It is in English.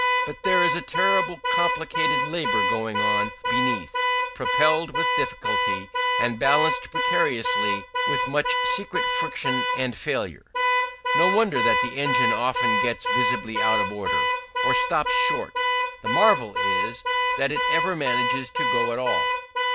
But there is a terribly complicated labour going on beneath, propelled with difficulty, and balanced precariously, with much secret friction and failure. No wonder that the engine often gets visibly out of order, or stops short: the marvel is that it ever manages to go at all.